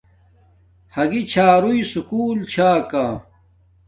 ھاگی چھاروݵ سکُول چھا کا